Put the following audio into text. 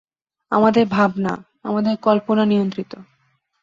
আমাদের ভাবনা, আমাদের কল্পনা নিয়ন্ত্রিত।